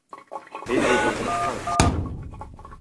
Pebezh amzer fall !